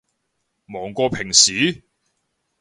忙過平時？